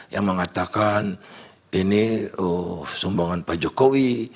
yang mengatakan ini sumbangan pak jokowi